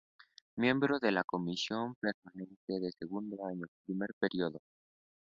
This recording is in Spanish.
Miembro de la Comisión Permanente del segundo año primer periodo.